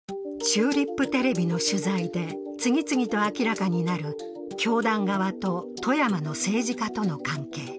チューリップテレビの取材で次々と明らかになる教団側と富山の政治家との関係。